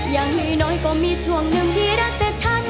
อย่างน้อยก็มีช่วงหนึ่งที่รักแต่ฉัน